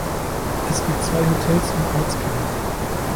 Es gibt zwei Hotels im Ortskern.